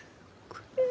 ごめん。